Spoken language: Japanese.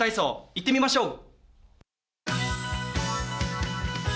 いってみましょう。